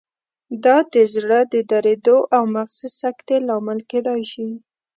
دا د زړه د دریدو او مغزي سکتې لامل کېدای شي.